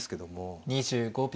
２５秒。